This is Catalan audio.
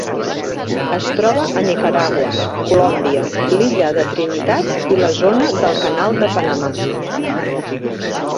Es troba a Nicaragua, Colòmbia, l'illa de Trinitat i la Zona del Canal de Panamà.